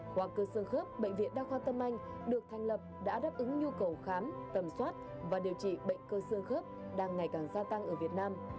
khoa cơ sơ khớp bệnh viện đa khoa tâm anh được thành lập đã đáp ứng nhu cầu khám tầm soát và điều trị bệnh cơ xương khớp đang ngày càng gia tăng ở việt nam